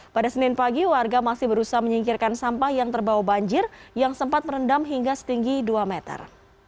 pada senin pagi warga masih berusaha menyingkirkan sampah yang terbawa banjir yang sempat merendam hingga setinggi dua meter